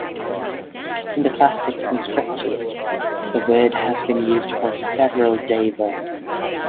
In the classics and scriptures, the word has been used for several Devas.